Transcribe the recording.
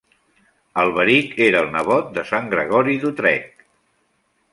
Alberic era el nebot de sant Gregori d'Utrecht.